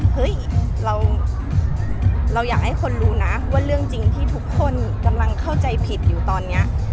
เฮ้ยเราอยากให้คนรู้นะว่าเรื่องจริงที่ทุกคนกำลังเข้าใจผิดอยู่ตอนนี้